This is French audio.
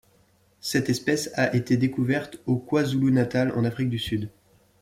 Cette espèce a été découverte au KwaZulu-Natal en Afrique du Sud.